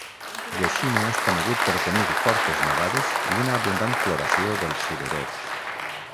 "Yoshino" és conegut per tenir fortes nevades i una abundant floració dels cirerers.